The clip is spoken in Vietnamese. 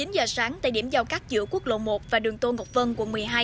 chín giờ sáng tại điểm giao cắt giữa quốc lộ một và đường tôn ngọc vân quận một mươi hai